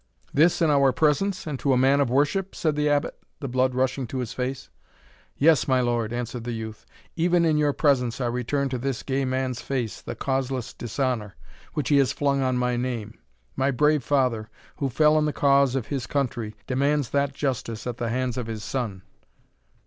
"This in our presence, and to a man of worship?" said the Abbot, the blood rushing to his face. "Yes, my lord," answered the youth; "even in your presence I return to this gay man's face, the causeless dishonour which he has flung on my name. My brave father, who fell in the cause of his country, demands that justice at the hands of his son!"